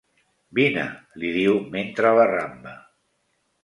Vine —li diu mentre l'arramba.